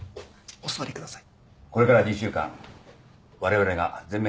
お座りください。